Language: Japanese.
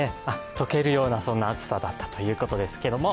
溶けるような暑さだったということですけれども。